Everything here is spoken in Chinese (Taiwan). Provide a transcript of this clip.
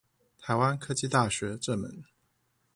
臺灣科技大學正門